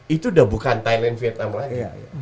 itu udah bukan thailand vietnam lagi